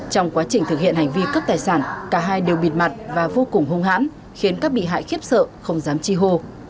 trong quá trình thực hiện hành vi cướp tài sản cả hai đều bịt mặt và vô cùng hung hãn khiến các bị hại khiếp sợ không dám chi hô